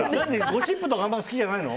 ゴシップとかあんまり好きじゃないの？